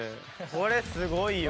これすごいよ。